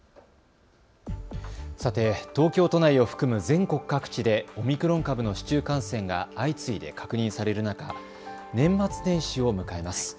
さて東京都内を含む全国各地でオミクロン株の市中感染が相次いで確認される中、年末年始を迎えます。